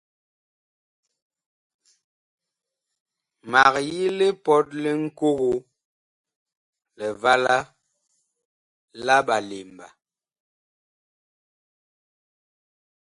Mag yi lipɔt li Ŋkogo, Livala la Ɓalemba.